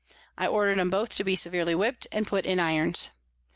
I order'd 'em both to be severely whip'd, and put in Irons.